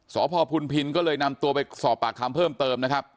สพพุนพินก็เลยนำตัวไปสอบปากคำเพิ่มเติมนะครับ